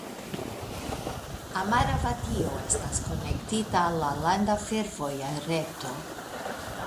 Amaravatio estas konektita al la landa fervoja reto.